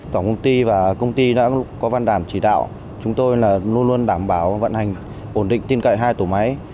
tổng công ty và công ty đã có văn đảm chỉ đạo chúng tôi là luôn luôn đảm bảo vận hành ổn định tin cậy hai tổ máy